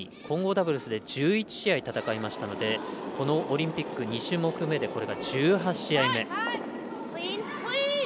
混合ダブルスで１１試合戦いましたのでこのオリンピック２種目めでこれが１８試合目。